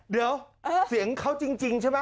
เดี๋ยวเสียงเขาจริงใช่ไหม